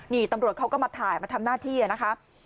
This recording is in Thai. นี่ตำรวจเขาก็มาถ่ายมาทำหน้าที่นะคะ